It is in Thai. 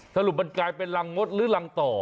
สรุปมันกลายเป็นรังงดหรือรังต่อ